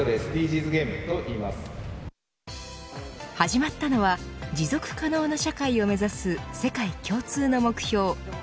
始まったのは持続可能な社会を目指す世界共通の目標